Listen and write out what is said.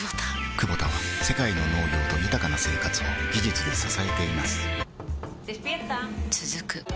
クボタは世界の農業と豊かな生活を技術で支えています起きて。